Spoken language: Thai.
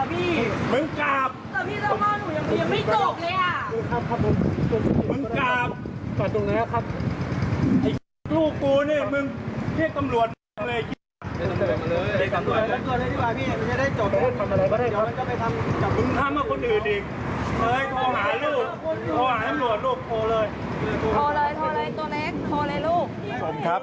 ที่บ่ายพี่นี่ได้จบ